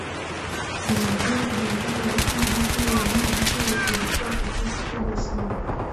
Mia mbili baadaye mji huu wa mji huu ulikuwa kwa kasi kubwa sana